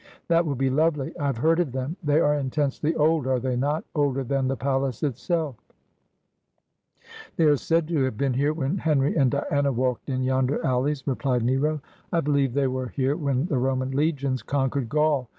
' That will be lovely ! I have heard of them. They are intensely old, are they not— older than the palace itself ?'' They are said to have been here when Henry and Diana walked in yonder alleys,' replied Nero. ' I believe they were here when the Roman legions conquered Gaul.